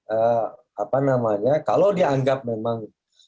apa namanya kalau dianggap memang